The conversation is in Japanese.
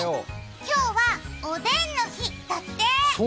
今日は、おでんの日だって。